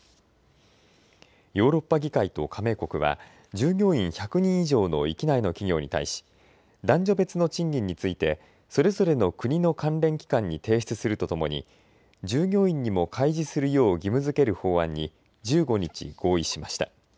ヨーロッパ議会と加盟国は従業員１００人以上の域内の企業に対し、男女別の賃金についてそれぞれの国の関連機関に提出するとともに従業員にも開示するよう義務づける法案に１５日、合意しました。